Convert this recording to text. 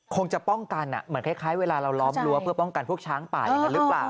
คงจะป้องกันเหมือนคล้ายเวลาเราล้อมรั้วเพื่อป้องกันพวกช้างป่าอย่างนั้นหรือเปล่า